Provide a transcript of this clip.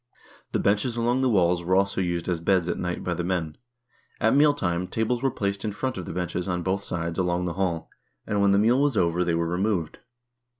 The benches along the walls were also used as beds at night by the men. At mealtime tables were placed in front of the benches on both sides along the hall, and when the meal was over, they were removed.